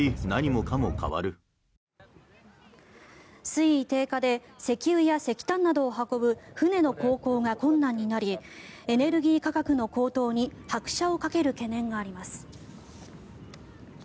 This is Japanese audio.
水位低下で石油や石炭などを運ぶ船の航行が困難になりエネルギー価格の高騰に拍車をかける懸念があります。